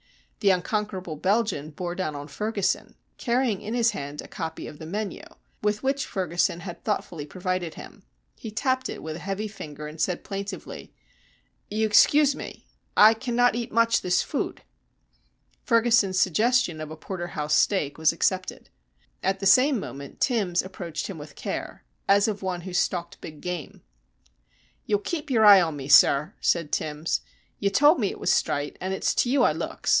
The Unconquerable Belgian bore down on Ferguson, carrying in his hand a copy of the menu, with which Ferguson had thoughtfully provided him. He tapped it with a heavy finger and said plaintively: "You excuse me. I cannot eat moch this food." Ferguson's suggestion of a porter house steak was accepted. At the same moment Timbs approached him with care, as of one who stalked big game. "You'll keep your eye on me, sir," said Timbs. "You told me it was strite, and it's to you I looks.